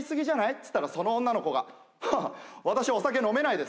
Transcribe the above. つったらその女の子が「ははは私お酒飲めないです」。